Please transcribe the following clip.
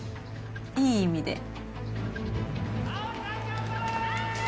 いい意味で。